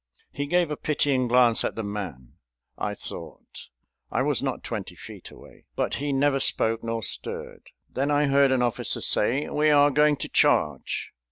He gave a pitying glance at the man, I thought, I was not twenty feet away, but he neither spoke nor stirred. Then I heard an officer say, "We are going to charge."